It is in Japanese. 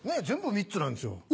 全部３つなんですよ。